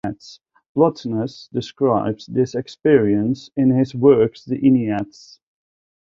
Plotinus describes this experience in his works the Enneads.